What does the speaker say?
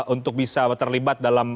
untuk bisa terlibat dalam